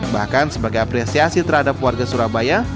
bahkan sebagai apresiasi terhadap warga surabaya